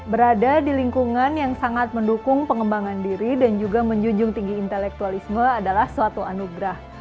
berada di lingkungan yang sangat mendukung pengembangan diri dan juga menjunjung tinggi intelektualisme adalah suatu anugerah